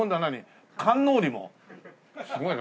すごいな。